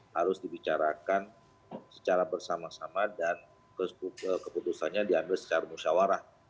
harus dibicarakan secara bersama sama dan keputusannya diambil secara musyawarah